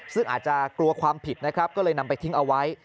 ซึ่งอาจจะกลัวความผิดนะครับก็เลยนำไปทิ้งเอาไว้